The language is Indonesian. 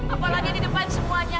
apalagi di depan semuanya